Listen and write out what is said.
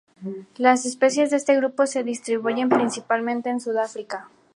Las especies de este grupo se distribuyen principalmente en Sudáfrica.